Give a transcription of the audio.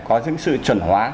có những sự chuẩn hóa